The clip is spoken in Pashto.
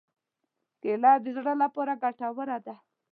کېله د زړه لپاره ګټوره ده.